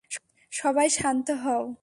সবাই শান্ত হও!